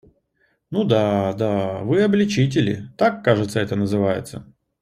Ну да, да, вы обличители, - так, кажется, это называется.